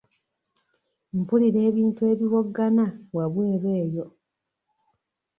Mpulira ebintu ebiwoggana wabweru eyo.